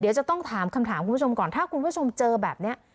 เดี๋ยวจะต้องถามคำถามคุณผู้ชมก่อนถ้าคุณผู้ชมเจอแบบนี้